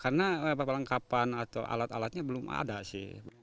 karena apa apa lengkapan atau alat alatnya belum ada sih